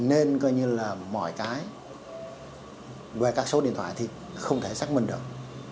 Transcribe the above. nên coi như là mọi cái về các số điện thoại thì không thể xác minh được